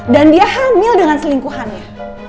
dan dia hamil dengan selingkuhannya